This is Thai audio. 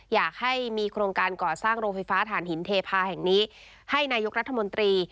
อยากให้มีโครงการก่อสร้างโรงไฟฟ้าฐานหินเทพาแห่งนี้ให้นายกรัฐมนตรี